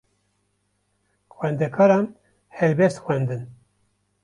Xwendekaran helbest xwendin.